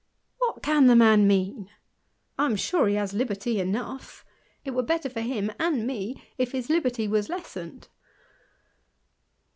What can the man mean ? I am sure he has Hberty enough : it were better for him and me if his liberty was lessened.